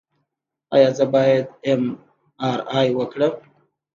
ایا زه باید ایم آر آی وکړم؟